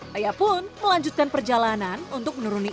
saya pun melanjutkan perjalanan untuk menuruni